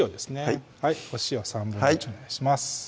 はいお塩１／３お願いします